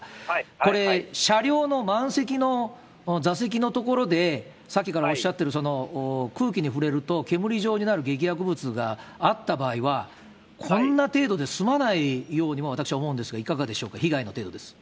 これ、車両の満席の座席の所で、さっきからおっしゃってる空気に触れると煙状になる激薬物があった場合は、こんな程度で済まないようにも、私は思うんですが、いかがでしょうか、被害の程度です。